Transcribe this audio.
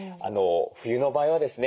冬の場合はですね